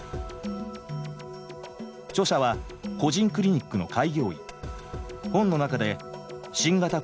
著者は個人クリニックの開業医。